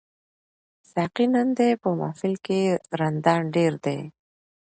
ساقي نن دي په محفل کي رندان ډیر دي